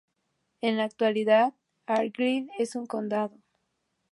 En la actualidad Argyll es un condado.